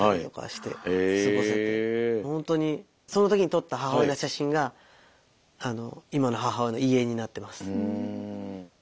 ほんとにその時に撮った母親の写真が今の母親の遺影になってます。